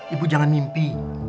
ibu jangan mimpi